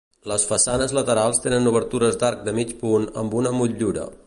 Les façanes laterals tenen obertures d'arc de mig punt amb una motllura.